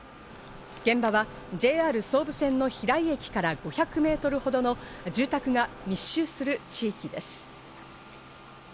現場はＪＲ総武線の平井駅から５００メートルほどの住宅が密集する地域です。